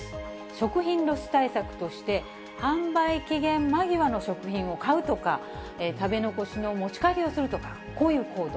食品ロス対策として、販売期限間際の食品を買うとか、食べ残しの持ち帰りをするとか、こういう行動。